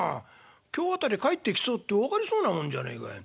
今日辺り帰ってきそうって分かりそうなもんじゃねえかよ。